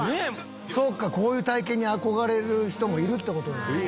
そっかこういう体験に憧れる人もいるって事なんだね。